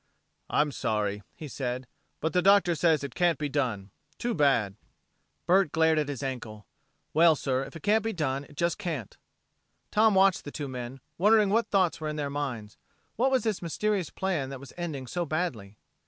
"I'm sorry," he said, "but the doctor says it can't be done. Too bad!" Bert glared at his ankle. "Well, sir, if it can't be done, it just can't." Tom watched the two men, wondering what thoughts were in their minds. What was this mysterious plan that was ending so badly?